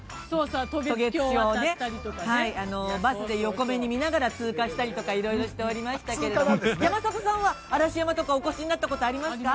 渡月橋を、バスで横目に見ながら、通過したりとか、いろいろしておりましたけども、山里さんは、嵐山とか、お越しになったことありますか。